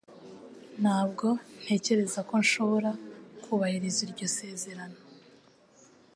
Ntabwo ntekereza ko nshobora kubahiriza iryo sezerano.